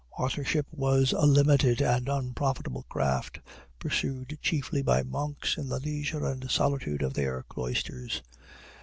Authorship was a limited and unprofitable craft, pursued chiefly by monks in the leisure and solitude of their cloisters.